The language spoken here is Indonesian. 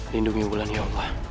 lindungi wulan ya allah